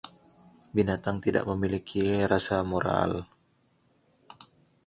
Binatang tidak memiliki rasa moral.